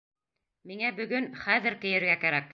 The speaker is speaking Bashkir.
Миңә бөгөн, хәҙер кейергә кәрәк!